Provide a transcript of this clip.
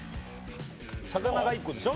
魚が１個でしょ？